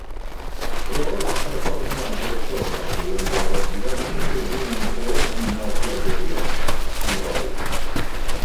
Roedd perfformiadau corawl yn draddodiad cyffredin ym mhob dinas-wladwriaeth yng Ngroeg.